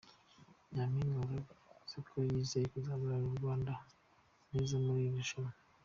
Nyampinga Aurore yavuze ko yizeye kuzahagararira u Rwanda neza muri iri rushanwa.